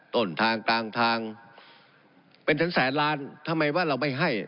ต้นทางกลางทางเป็นแสนแสนล้านทำไมว่าเราไม่ให้